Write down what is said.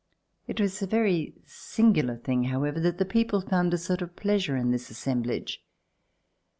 It was a very singular thing, however, that the people found a sort of pleasure in this assem blage.